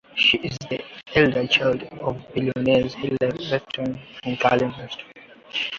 She is the elder child of billionaires Hilary Weston and Galen Weston.